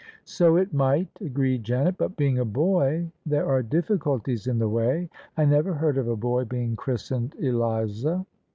" So it might," agreed Janet: " but being a boy, there are difficulties in the way. I never heard of a boy being christened Eliza."